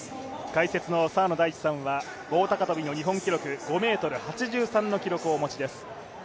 解説の澤野大地さんは棒高跳の日本記録５ｍ８３の記録をお持ちです。